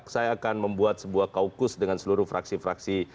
saya akan membuat sebuah kaukus dengan seluruh fraksi fraksi